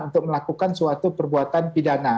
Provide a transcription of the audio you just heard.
untuk melakukan suatu perbuatan pidana